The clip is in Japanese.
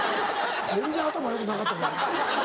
全然頭良くなかったけど。